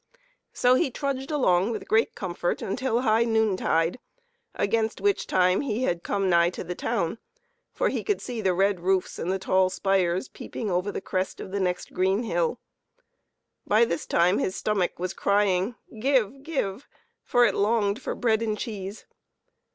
So he trudged along with great comfort until high noontide, against which time he had come nigh to the town, for he could see the red roofs and the tall spires peeping over the crest of the next green hill. By this time his stomach was crying, "give! give!" for it longed for bread and cheese.